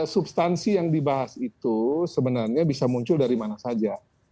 substansi yang dibahas itu sebenarnya bisa muncul dari mana saja